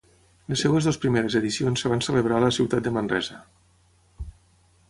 Les seves dues primeres edicions es van celebrar a la ciutat de Manresa.